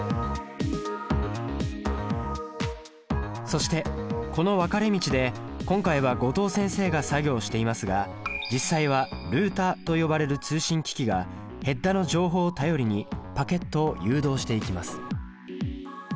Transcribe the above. そしてこの分かれ道で今回は後藤先生が作業していますが実際はルータと呼ばれる通信機器がヘッダの情報を頼りにパケットを誘導していきます。